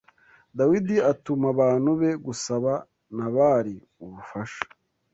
Dawidi atuma abantu be gusaba Nabali ubufasha